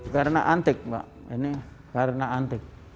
karena antik mbak ini karena antik